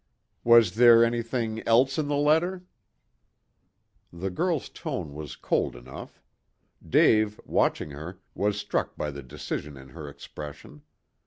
"Was there anything else in the letter?" The girl's tone was cold enough. Dave, watching her, was struck by the decision in her expression.